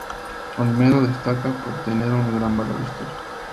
Olmedo destaca por tener un gran valor histórico.